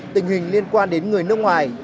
tình hình liên quan đến người nước ngoài